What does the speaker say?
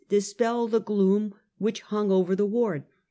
dispel the gloom which hnng over that ward.